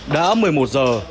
đã một mươi một giờ